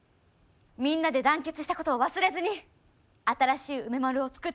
みんなで団結したことを忘れずに新しい梅丸を作ってほしい。